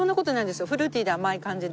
フルーティーで甘い感じで。